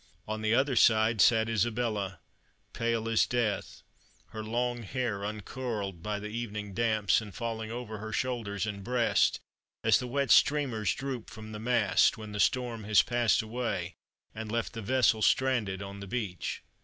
On the other side sate Isabella, pale as death, her long hair uncurled by the evening damps, and falling over her shoulders and breast, as the wet streamers droop from the mast when the storm has passed away, and left the vessel stranded on the beach.